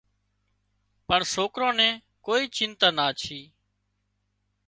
پڻ سوڪران نين ڪوئي چنتا نا ڇي